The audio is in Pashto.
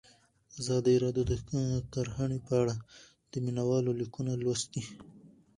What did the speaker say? ازادي راډیو د کرهنه په اړه د مینه والو لیکونه لوستي.